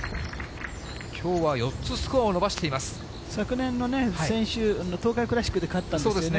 きょうは４つスコアを伸ばしてい昨年のね、先週、東海クラシックで勝ったんですよね。